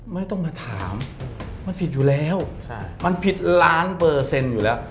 ไม่ต้องมาถามมันผิดอยู่แล้วมันผิดล้านเปอร์เซ็นต์อยู่แล้ว